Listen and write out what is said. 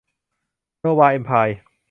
โนวา เอมไพร์